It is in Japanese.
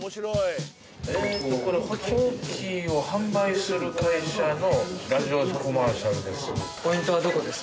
これ補聴器を販売する会社のラジオコマーシャルです